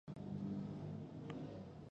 چې دا پرې پايي او په هغو کې حرکت، وده، تنفس